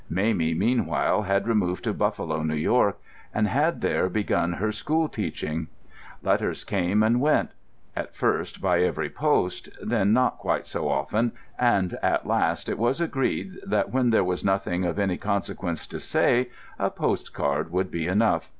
Mamie, meanwhile, had removed to Buffalo, New York, and had there begun her school teaching. Letters came and went; at first by every post, then not quite so often, and at last it was agreed that, when there was nothing of any consequence to say, a post card would be enough.